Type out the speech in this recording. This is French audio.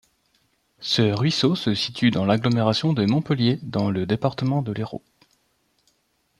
Ce ruisseau se situe dans l'agglomération de Montpellier, dans le département de l'Hérault.